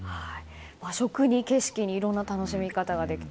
食に景色にいろんな楽しみ方ができて